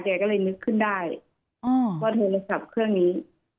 แกก็เลยนึกขึ้นได้ว่าโทรศัพท์เครื่องนี้